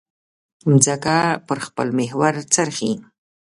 مځکه پر خپل محور څرخي.